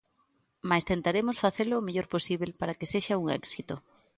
Mais tentaremos facelo o mellor posíbel para que sexa un éxito.